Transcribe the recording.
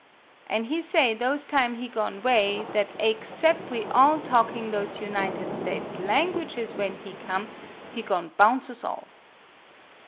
An' he say, those time he go'n' 'way, that aexcep' we all talking those United States' languages when he come, he go'n' bounce us all.